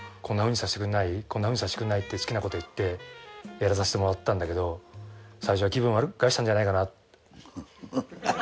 こんなふうにさせてくんないって好きなこと言ってやらさせてもらったんだけど最初は気分害したんじゃないかな。